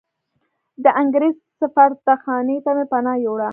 د انګریز سفارتخانې ته مې پناه یووړه.